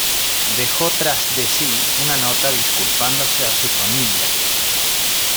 Dejó tras de sí una nota disculpándose a su familia.